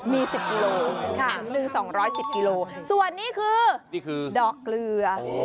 มี๑๐กิโลกรัมส่วนนี่คือดอกเกลือ